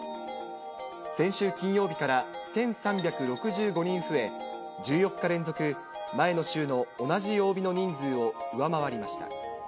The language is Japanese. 先週金曜日から１３６５人増え、１４日連続、前の週の同じ曜日の人数を上回りました。